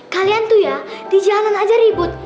kalian tuh ya di jalan aja ribut